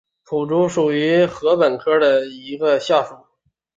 薄竹属是禾本科下的一个属。